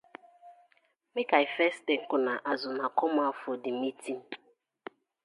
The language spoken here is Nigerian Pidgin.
Mak I first thank una as una come out for di meeting.